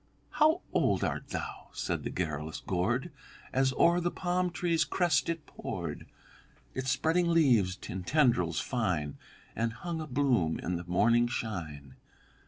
"'"How old art thou?" said the garrulous gourd As o'er the palm tree's crest it poured Its spreading leaves and tendrils fine, And hung a bloom in the morning shine.